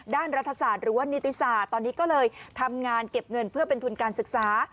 รัฐศาสตร์หรือว่านิติศาสตร์ตอนนี้ก็เลยทำงานเก็บเงินเพื่อเป็นทุนการศึกษา